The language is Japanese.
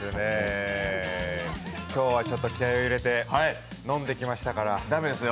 今日は気合いを入れて飲んできましたから。